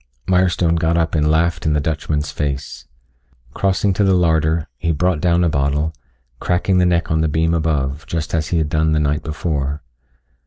Mirestone got up and laughed in the Dutchman's face. Crossing to the larder, he brought down a bottle, cracking the neck on the beam above, just as he had done the night before.